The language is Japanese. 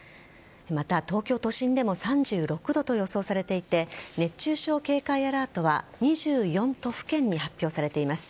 また、東京都心でも３６度と予想されていて熱中症警戒アラートは２４都府県に発表されています。